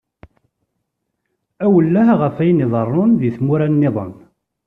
Awelleh ɣef ayen iḍeṛṛun deg tmura nniḍen.